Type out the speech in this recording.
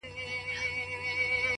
او لا یې هم، په رسنیو کي -